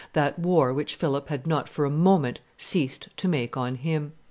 that war which Philip had not for a moment ceased to make on him.